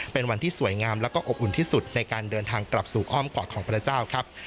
เป็นวันที่สวยงามแล้วก็อบอุ่นที่สุดในการเดินทางกลับสู่อ้อมกอดของพระเจ้าครับ